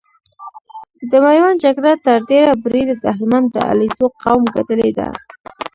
د ميوند جګړه تر ډېره بريده د هلمند د عليزو قوم ګټلې ده۔